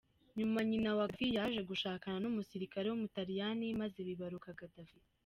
Nyuma nyina wa Gaddafi yaje gushakana n’umusirikare w’umutaliyani maze bibaruka Gaddafi.